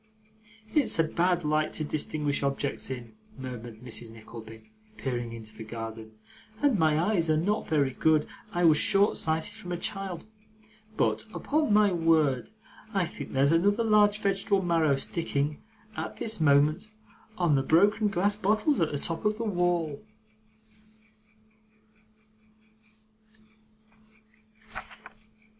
'It's a bad light to distinguish objects in,' murmured Mrs. Nickleby, peering into the garden, 'and my eyes are not very good I was short sighted from a child but, upon my word, I think there's another large vegetable marrow sticking, at this moment, on the broken glass bottles at the top of the wall!